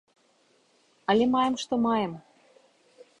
Але маем, што маем.